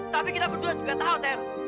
tapi kita berdua juga tahu ter